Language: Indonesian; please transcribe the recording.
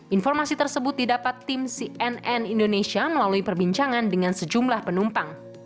informasi tersebut didapat tim cnn indonesia melalui perbincangan dengan sejumlah penumpang